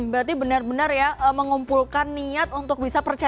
berarti benar benar ya mengumpulkan niat untuk bisa percaya